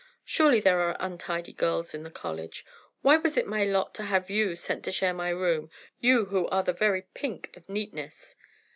Surely there are untidy girls in the college: why was it my lot to have you sent to share my room—you who are the very pink of neatness?"